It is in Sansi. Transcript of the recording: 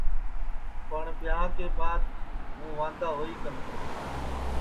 پٹؔ ٻیاں کے بعد ہوں واندا ہوئی